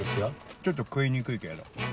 ちょっと食いにくいけど。